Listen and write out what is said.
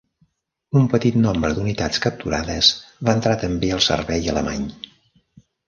Un petit nombre d"unitats capturades va entrar també al servei alemany.